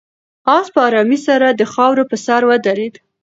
آس په آرامۍ سره د خاورو په سر ودرېد.